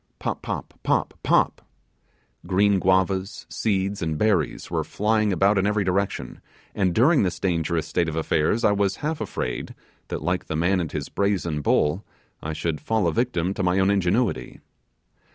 Pop, Pop, Pop, Pop! green guavas, seeds, and berries were flying about in every direction, and during this dangerous state of affairs I was half afraid that, like the man and his brazen bull, I should fall a victim to my own ingenuity.